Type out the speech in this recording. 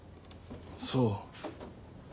そう。